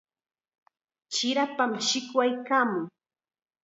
Chirapam shikwaykaamun.